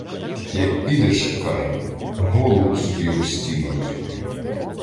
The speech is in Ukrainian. Як підеш, каже, голову собі об стіну розіб'ю.